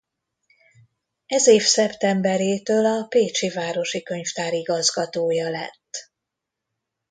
Ez év szeptemberétől a Pécsi Városi Könyvtár igazgatója lett.